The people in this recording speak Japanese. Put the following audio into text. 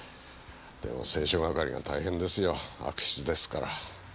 でも清書係が大変ですよ悪筆ですから。